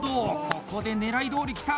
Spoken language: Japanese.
ここでねらいどおりきた！